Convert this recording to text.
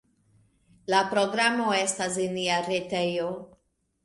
La programo estas en nia retejo.